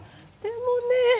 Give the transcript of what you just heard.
でもね